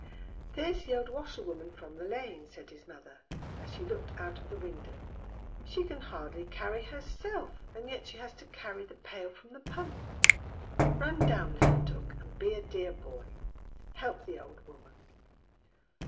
" There's the old washerwoman from the lane," said his mother, as she looked out of the window. " She can hardly carry herself, and yet she has to carry the pail from the pump; run down little Tuk and be a dear boy. Help the old woman!